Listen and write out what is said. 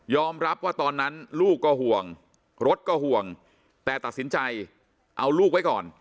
รับว่าตอนนั้นลูกก็ห่วงรถก็ห่วงแต่ตัดสินใจเอาลูกไว้ก่อน